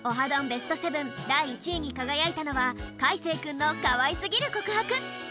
ベスト７だい１位にかがやいたのはかいせいくんのかわいすぎる告白！